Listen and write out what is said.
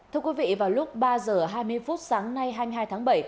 thưa quý vị vào lúc ba h hai mươi phút sáng nay hai mươi hai tháng bảy